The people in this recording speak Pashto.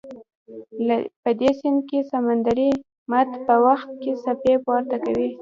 په دې سیند کې سمندري مد په وخت کې څپې پورته کوي.